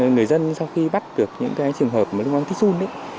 người dân sau khi bắt được những cái trường hợp lưu mong kích run